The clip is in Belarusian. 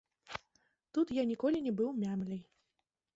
Тут я ніколі не быў мямляй.